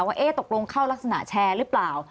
ว่าตกลงเข้ารักษณะแชร์หรือเปล่า